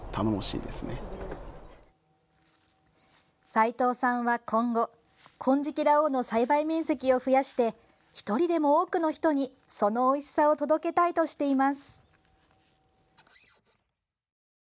齋藤さんは、今後金色羅皇の栽培面積を増やして１人でも多くの人にそのおいしさを届けたいとしています。